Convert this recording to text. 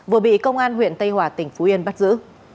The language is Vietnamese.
vừa bị công an huyện tây hòa tỉnh phú yên bắt giữ